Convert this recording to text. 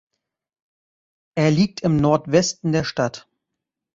Er liegt im Nordwesten der Stadt.